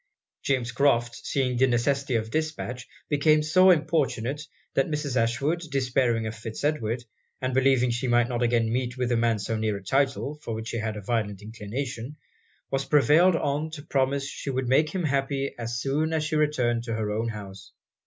James Crofts seeing the necessity of dispatch, became so importunate, that Mrs. Ashwood, despairing of Fitz Edward, and believing she might not again meet with a man so near a title, for which she had a violent inclination, was prevailed on to promise she would make him happy as soon as she returned to her own house.